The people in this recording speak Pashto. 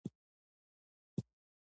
د مېلو یو بل ښایست د آسو سیالي يي.